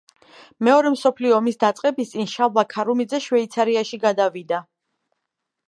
მეორე მსოფლიო ომის დაწყების წინ შალვა ქარუმიძე შვეიცარიაში გადავიდა.